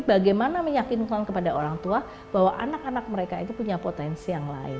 bagaimana meyakinkan kepada orang tua bahwa anak anak mereka itu punya potensi yang lain